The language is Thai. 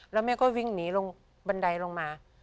แล้วแม่ก็วิ่งหนีลงบันไดลงมา